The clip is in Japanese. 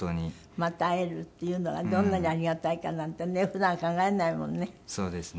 また会えるっていうのがどんなにありがたいかなんてね普段考えないもんね。